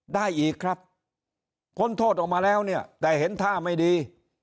ได้อีกครับพ้นโทษออกมาแล้วเนี่ยแต่เห็นท่าไม่ดี